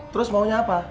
terus maunya apa